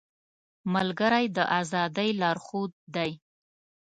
ملګری د ازادۍ لارښود دی